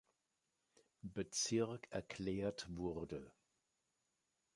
Bezirk erklärt wurde.